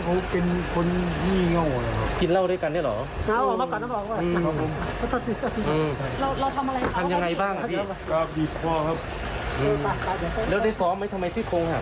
ก็ตอนนั้นเขาล้มในห้องน้ำครับ